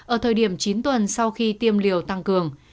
ở thời điểm chín tuần sau khi tiêm liều tăng cường